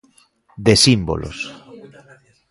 De símbolos.